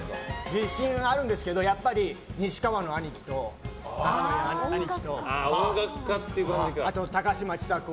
自信あるんですけどやっぱり西川の兄貴とあと高嶋ちさ子